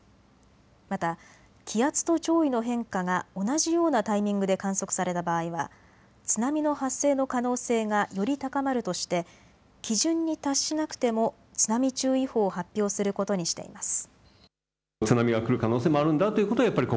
また気圧と潮位の変化が同じようなタイミングで観測された場合は津波の発生の可能性がより高まるとして基準に達しなくても津波注意報を発表することにしています。